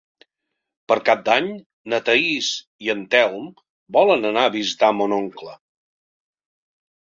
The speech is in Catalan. Per Cap d'Any na Thaís i en Telm volen anar a visitar mon oncle.